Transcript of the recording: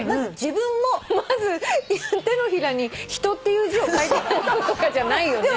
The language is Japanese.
まず手のひらに「人」っていう字を書いてのむとかじゃないよね？